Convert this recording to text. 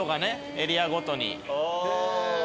エリアごとに。